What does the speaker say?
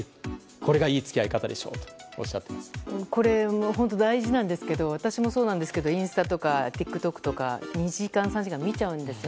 これがいい付き合い方でしょうとこれは本当、大事なんですが私もそうなんですけどインスタとかＴｉｋＴｏｋとか２時間、３時間見ちゃうんですよ。